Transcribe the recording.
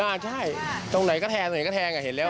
ใช่ตรงไหนก็แทงไหนก็แทงอ่ะเห็นแล้ว